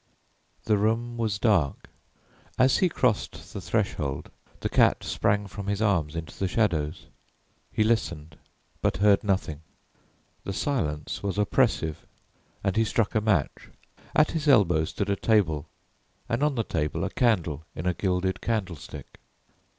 The room was dark. As he crossed the threshold, the cat sprang from his arms into the shadows. He listened but heard nothing. The silence was oppressive and he struck a match. At his elbow stood a table and on the table a candle in a gilded candlestick.